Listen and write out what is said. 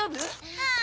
はい。